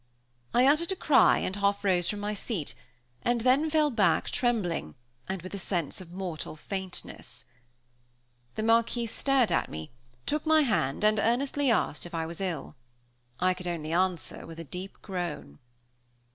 I uttered a cry and half rose from my seat, and then fell back trembling, and with a sense of mortal faintness. The Marquis stared at me, took my hand, and earnestly asked if I was ill. I could answer only with a deep groan.